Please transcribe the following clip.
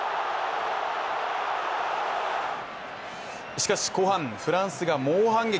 しかし後半、フランスが猛反撃。